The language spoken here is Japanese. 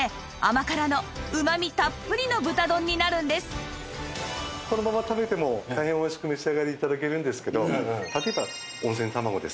そしてこのまま食べても大変おいしくお召し上がり頂けるんですけど例えば温泉卵ですとか。